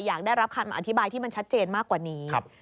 อยากได้รับคำอธิบายที่มันชัดเจนมากกว่านี้